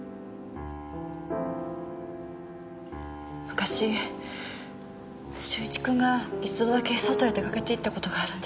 昔俊一君が一度だけ外へ出かけていった事があるんです。